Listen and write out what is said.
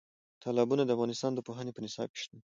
تالابونه د افغانستان د پوهنې په نصاب کې شته.